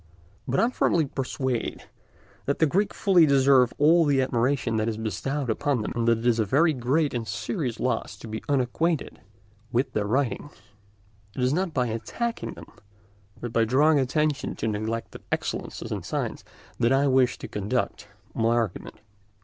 But I am firmly persuaded that the Greeks fully deserve all the admiration that is bestowed upon them, and that it is a very great and serious loss to be unacquainted with their writings. It is not by attacking them, but by drawing attention to neglected excellences in science, that I wish to conduct my argument.